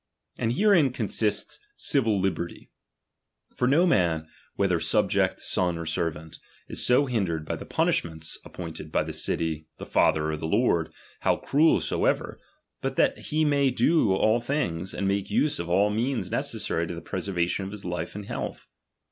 And herein consists civil liberty ; for no man, whether subject, son, or servant, is I so hindered by the punishments appointed by the chap. ix. f^ity, the father, or the lord, how cruel soever, but '' tliat he may do all things, and make use of all means necessary to the preservation of his life and liealth.